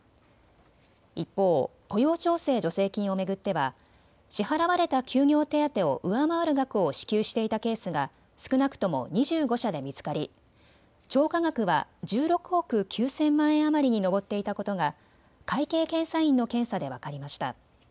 一方、雇用調整助成金を巡っては支払われた休業手当を上回る額を支給していたケースが少なくとも２５社で見つかり超過額は１６億９０００万円余りに上っていたことが会計検査院の検査で分かりました。